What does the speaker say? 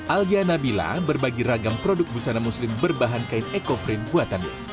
aljana bila berbagi ragam produk busana muslim berbahan kain ekoprint buatannya